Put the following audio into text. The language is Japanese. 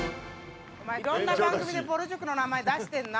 お前いろんな番組でぼる塾の名前出してんな。